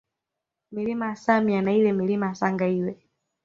Milima ya Samya na ile Milima ya Sangaiwe